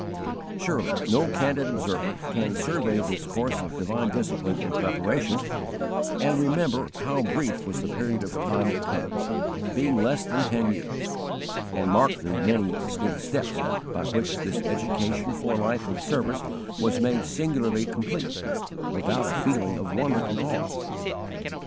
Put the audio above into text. Surely no candid observer can survey this course of divine discipline and preparation, and remember how brief was the period of time it covers, being less than ten years, and mark the many distinct steps by which this education for a life of service was made singularly complete, without a feeling of wonder and awe.